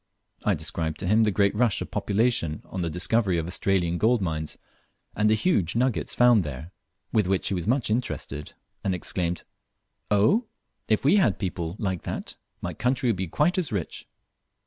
I described to him the great rush of population on the discovery of the Australian gold mines, and the huge nuggets found there, with which he was much interested, and exclaimed, "Oh? if we had but people like that, my country would be quite as rich."